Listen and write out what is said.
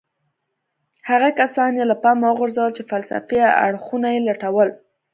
هغه کسان يې له پامه وغورځول چې فلسفي اړخونه يې لټول.